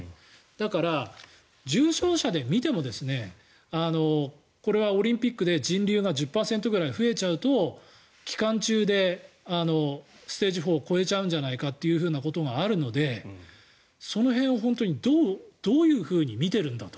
だから、重症者で見てもこれはオリンピックで人流が１０％くらい増えちゃうと期間中でステージ４を超えちゃうんじゃないかということがあるのでその辺をどういうふうに見ているんだと。